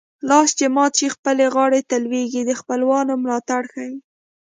لاس چې مات شي خپلې غاړې ته لوېږي د خپلوانو ملاتړ ښيي